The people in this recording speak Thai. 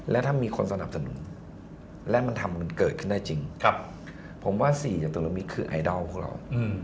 และถ้ามีคนสนับสนุนและมันทำมันเกิดขึ้นได้จริงผมว่า๔อย่างตุลมิตคือไอดอลของเรา